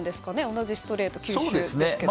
同じストレート、球種ですけども。